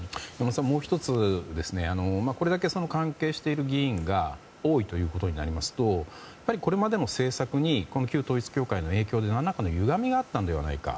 もう１つこれだけ関係している議員が多いということになりますとこれまでの政策に旧統一教会の影響で何らかのゆがみがあったのではないか。